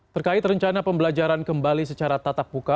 terkait rencana pembelajaran kembali secara tatap muka